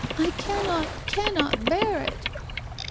I cannot, cannot bear it